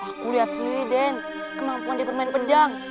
aku lihat sendiri den kemampuan dia bermain pedang